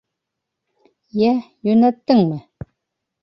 Йә, йүнәттеңме?